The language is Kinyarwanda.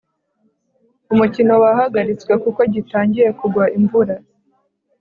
umukino wahagaritswe kuko gitangiye kugwa imvura